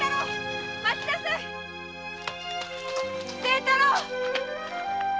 清太郎！